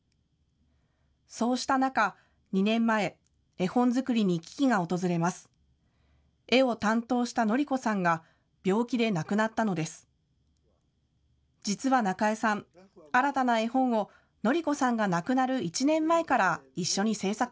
そうした中、２年前、絵本作りに危機が訪れます。